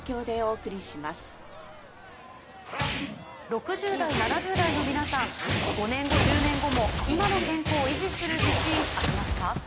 ６０代７０代の皆さん５年後１０年後も今の健康維持する自信ありますか？